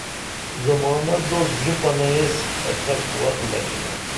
زمانہ دوست ژوپنہ ایس اڇھک وخ لگِنا